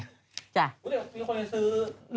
มีคนไปซื้อ